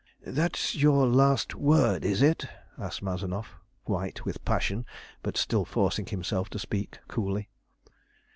"That is your last word, is it?" asked Mazanoff, white with passion, but still forcing himself to speak coolly.